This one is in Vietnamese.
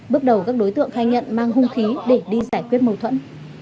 bước đầu các đối tượng khai nhận mang hung khí để đi giải quyết mâu thuẫn